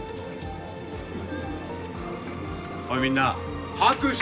おいみんな拍手！